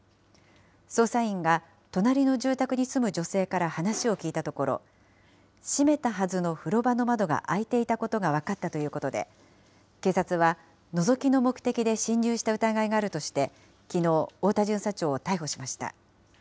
捜査員が隣の住宅に住む女性から話を聞いたところ、閉めたはずの風呂場の窓が開いていたことが分かったということで、警察はのぞきの目的で侵入した疑いがあるとして、きのう、太田巡査長を逮捕しました。